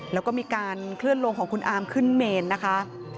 แล้วก็มีการเคลื่อนลงของคุณอามขึ้นเมนนะคะ